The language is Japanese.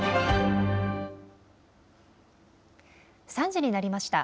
３時になりました。